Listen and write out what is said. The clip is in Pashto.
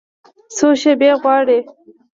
څو شیبې غواړي